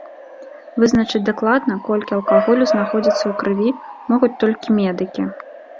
Вызначыць дакладна, колькі алкаголю знаходзіцца ў крыві, могуць толькі медыкі.